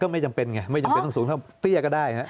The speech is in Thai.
ไม่จำเป็นไงไม่จำเป็นต้องสูงเท่าเตี้ยก็ได้ฮะ